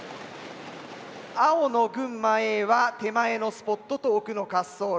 青の群馬Ａは手前のスポットと奥の滑走路。